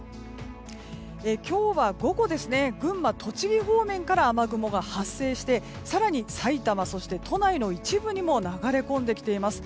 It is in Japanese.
今日は午後、群馬、栃木方面から雨雲が発生して更に、さいたまや都内の一部にも流れ込んできています。